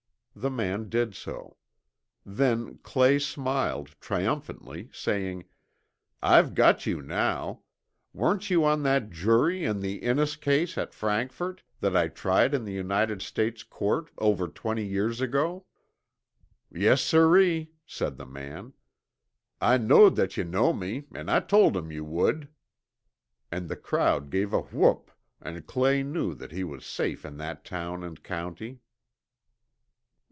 The man did so. Then Clay smiled, triumphantly, saying: "I've got you now weren't you on that jury in the Innes case at Frankfort, that I tried in the United States Court over twenty years ago?" "Yes siree!" said the man, "I knowed that ye know me, 'n I told 'em you would." And the crowd gave a whoop, and Clay knew that he was safe in that town and county.